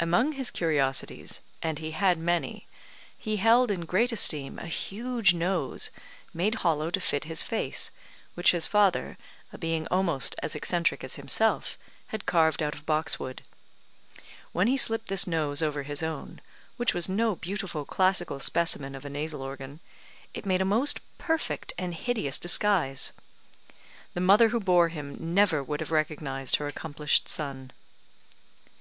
Among his curiosities, and he had many, he held in great esteem a huge nose, made hollow to fit his face, which his father, a being almost as eccentric as himself, had carved out of boxwood. When he slipped this nose over his own (which was no beautiful classical specimen of a nasal organ), it made a most perfect and hideous disguise. The mother who bore him never would have recognised her accomplished son.